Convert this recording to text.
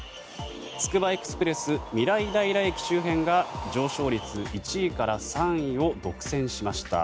つくばエクスプレスみらい平駅周辺が上昇率１位から３位を独占しました。